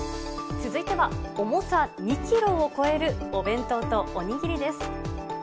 続いては、重さ２キロを超えるお弁当とお握りです。